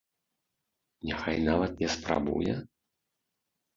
Няхай нават не спрабуе?